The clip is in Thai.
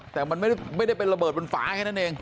แต่มันไม่ได้เป็นระเบิดบนฝาแค่นั้นเอง